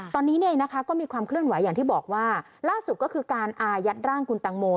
ตอนนี้เนี่ยนะคะก็มีความเคลื่อนไหวอย่างที่บอกว่าล่าสุดก็คือการอายัดร่างคุณตังโม